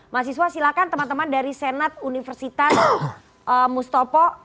mahasiswa silakan teman teman dari senat universitas mustafa